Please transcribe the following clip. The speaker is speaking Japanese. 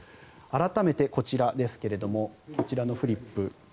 改めてこちらですがこちらのフリップ。